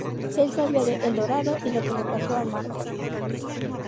Él sabía de El Dorado y lo que le pasó a Mark.